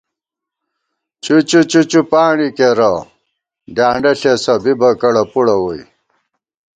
چُچّو چُچّوپانڈی کېرہ ، ڈیانڈہ ݪېسہ ، بِبہ کڑہ پُڑہ ووئی